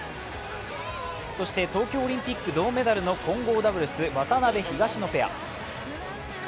そして東京オリンピック銅メダルの混合ダブルス、渡辺・東野ペア。